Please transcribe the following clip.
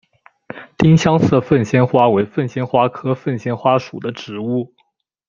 丁香色凤仙花为凤仙花科凤仙花属的植物。